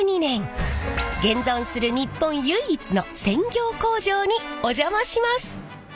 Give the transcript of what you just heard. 現存する日本唯一の専業工場にお邪魔します！